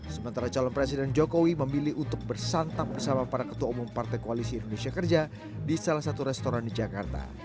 sementara calon presiden jokowi memilih untuk bersantap bersama para ketua umum partai koalisi indonesia kerja di salah satu restoran di jakarta